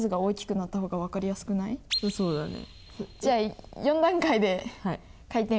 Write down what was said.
そうだね。